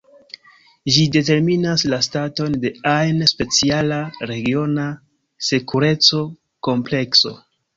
Ĝi determinas la staton de ajn speciala regiona sekureco-komplekso.